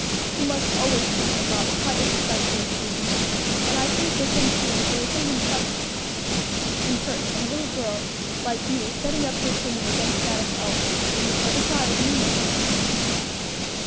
You must always treat my father quite as respectfully as you do me; and I think with him, too, that there is something quite impertinent in a little girl like you setting up her opinion against that of her elders. You must never try it with me, my daughter."